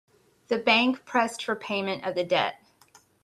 The bank pressed for payment of the debt.